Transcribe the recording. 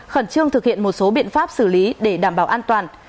khẩn trương thực hiện một số biện pháp xử lý để đảm bảo an toàn